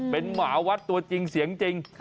เป็นหมาวัดตัวสิ่งจริง